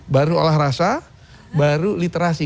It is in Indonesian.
baru olah rasa baru literasi